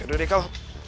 yaudah deh kal